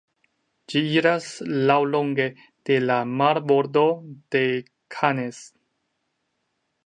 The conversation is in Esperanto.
Ĝi iras laŭlonge de la marbordo de Cannes.